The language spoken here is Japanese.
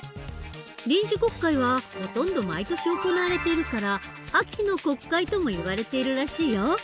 臨時国会はほとんど毎年行われているから「秋の国会」ともいわれているらしいよ。